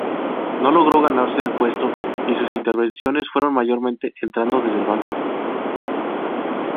No logró ganarse el puesto, y sus intervenciones fueron mayormente entrando desde el banco.